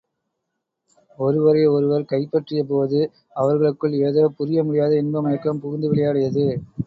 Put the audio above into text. ஒருவரை ஒருவர் கைப்பற்றியபோது அவர்களுக்குள் ஏதோ புரிய முடியாத இன்ப மயக்கம் புகுந்து விளையாடியது.